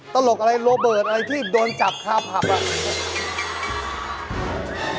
ตลกอะไรโรเบิร์ตอะไรที่โดนจับคาผับอ่ะ